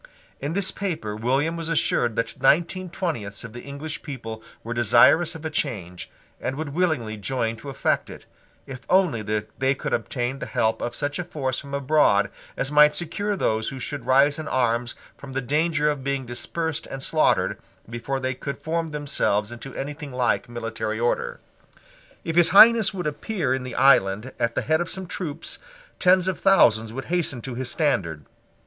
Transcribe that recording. In this paper William was assured that nineteen twentieths of the English people were desirous of a change, and would willingly join to effect it, if only they could obtain the help of such a force from abroad as might secure those who should rise in arms from the danger of being dispersed and slaughtered before they could form themselves into anything like military order. If his Highness would appear in the island at the head of some troops, tens of thousands would hasten to his standard.